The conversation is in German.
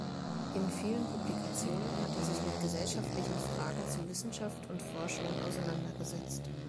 In vielen Publikationen hat er sich mit gesellschaftlichen Fragen zu Wissenschaft und Forschung auseinandergesetzt.